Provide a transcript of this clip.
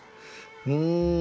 うん。